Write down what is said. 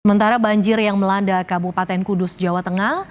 sementara banjir yang melanda kabupaten kudus jawa tengah